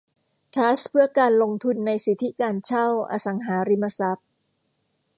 ทรัสต์เพื่อการลงทุนในสิทธิการเช่าอสังหาริมทรัพย์